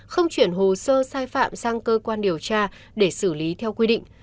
không chuyển hồ sơ sai phạm sang cơ quan điều tra để xử lý theo quy định